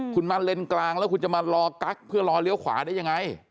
คุณมาเลนกลางแล้วคุณจะมารอกั๊กเพื่อรอเลี้ยวขวาได้ยังไง